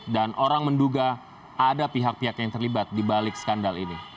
dan orang menduga ada pihak pihak yang terlibat di balik skandal ini